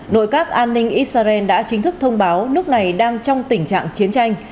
nội các an ninh israel đã chính thức thông báo nước này đang trong tình trạng chiến tranh